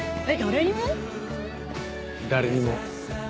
誰にも。